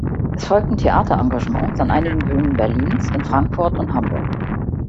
Es folgten Theaterengagements an einigen Bühnen Berlins, in Frankfurt und Hamburg.